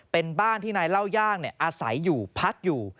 เป็นบ้านที่นายเล่าย่างอาศัยอยู่พักอยู่